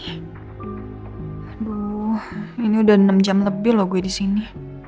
aduh ini udah enam jam lebih loh gue disini